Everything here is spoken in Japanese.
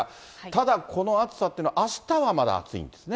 ただ、この暑さっていうのは、あしたはまだ暑いんですね。